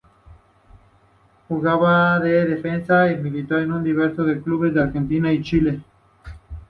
Jugaba de defensa y militó en diversos clubes de Argentina y Chile.